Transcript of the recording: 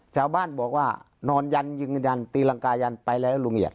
ชาวบ้านบอกว่านอนยันยืนยันตีรังกายันไปแล้วลุงเอียด